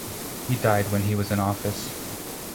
He died when he was in office.